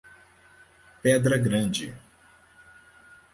Pedra Grande